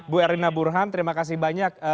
bu erlina burhan terima kasih banyak